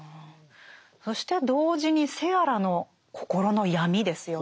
そして同時にセアラの心の闇ですよね。